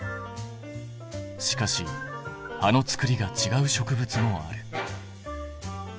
しかし葉のつくりがちがう植物もある。